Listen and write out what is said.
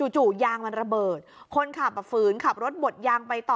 จู่ยางมันระเบิดคนขับฝืนขับรถบดยางไปต่อ